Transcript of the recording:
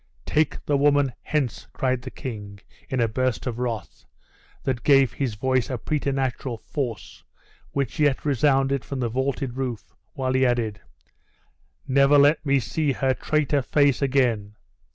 "Take the woman hence," cried the king, in a burst of wrath, that gave his voice a preternatural force, which yet resounded from the vaulted roof, while he added "Never let me see her traitor face again!"